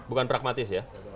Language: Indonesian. bukan pragmatis ya